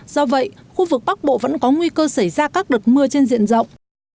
do vậy khu vực bắc bộ vẫn có nguy cơ xảy ra các đợt mưa trên diện rộng